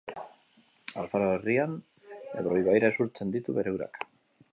Alfaro herrian Ebro ibaira isurtzen ditu bere urak.